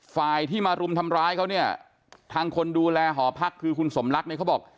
ฝ่ายที่มารุมทำร้ายเขาเนี่ยทางคนดูแลหอพักคือคุณสมรักเนี่ยเขาบอก